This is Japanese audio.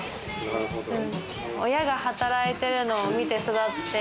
親が働いてるのを見て育って。